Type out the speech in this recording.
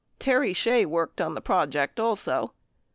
Terry Shea worked on the project also.